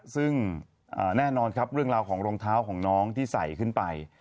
ซึ่งแน่นอนครับเรื่องราวของรองเท้าของน้องที่ใส่ขึ้นไป